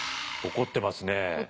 怒ってますね。